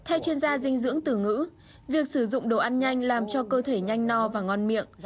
theo chuyên gia dinh dưỡng từ ngữ việc sử dụng đồ ăn nhanh làm cho cơ thể nhanh no và ngon miệng